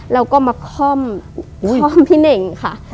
แล้วก็มาค่อมค่อมพี่เน่งค่ะ